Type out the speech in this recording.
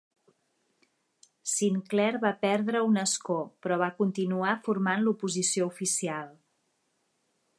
Sinclair va perdre un escó, però va continuar formant l'oposició oficial.